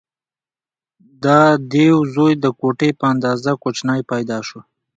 د دیو زوی د ګوتې په اندازه کوچنی پیدا شو.